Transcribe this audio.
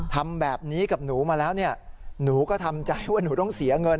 ทำแบบนี้กับหนูมาแล้วเนี่ยหนูก็ทำใจว่าหนูต้องเสียเงิน